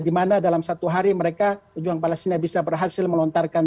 di mana dalam satu hari mereka pejuang palestina bisa berhasil melontarkan